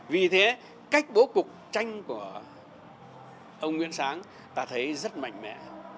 vì thế cách bố cục tranh của ông nguyễn sáng ta thấy rất mạnh mẽ